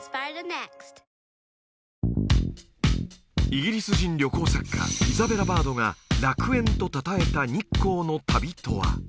イギリス人旅行作家イザベラ・バードが楽園とたたえた日光の旅とは？